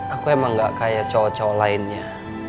aku emang gak kayak cowok cowok lainnya